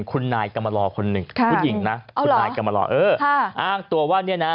คุณนายกำลาดพอหล่อข้อหนึ่งใช่เอาหรอแม่กำลาดเอ้ออ้างตัวว่าเนี่ยนะ